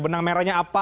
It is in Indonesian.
benang merahnya apa